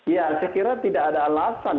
ya saya kira tidak ada alasan